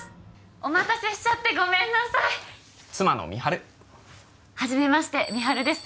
お待たせしちゃってごめんなさい妻の美晴初めまして美晴です